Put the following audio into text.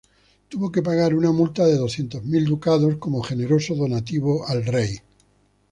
Tuvo que pagar una multa de doscientos mil ducados como "generoso donativo" al rey.